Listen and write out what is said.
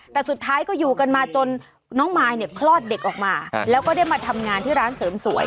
แต่สุดท้ายก็อยู่กันมาจนน้องมายเนี่ยคลอดเด็กออกมาแล้วก็ได้มาทำงานที่ร้านเสริมสวย